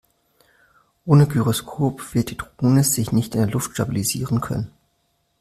Ohne Gyroskop wird die Drohne sich nicht in der Luft stabilisieren können.